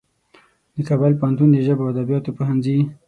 د کابل پوهنتون د ژبو او ادبیاتو پوهنځي